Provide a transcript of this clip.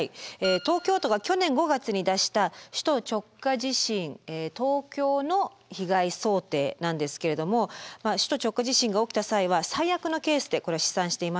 東京都が去年５月に出した「首都直下地震東京の被害想定」なんですけれども首都直下地震が起きた際は最悪のケースでこれは試算しています。